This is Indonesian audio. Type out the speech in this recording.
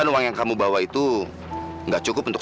nol jangan buang sia sia nol